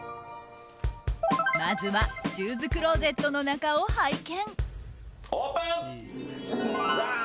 まずは、シューズクローゼットの中を拝見。